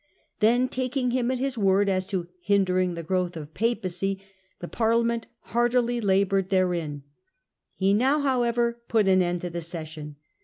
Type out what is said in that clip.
Then, taking him at his word as to hindering the growth of Popery, the Parlia ment ' heartily laboured therein.* He now however put an end to the session.